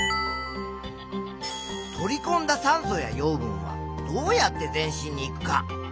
「取りこんだ酸素や養分はどうやって全身にいく」か？